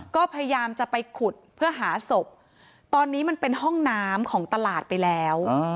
ก็พยายามจะไปขุดเพื่อหาศพตอนนี้มันเป็นห้องน้ำของตลาดไปแล้ว